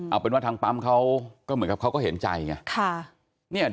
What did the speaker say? เอาเป็นว่าทางปั๊มเขาก็เห็นใจ